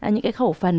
những cái khẩu phần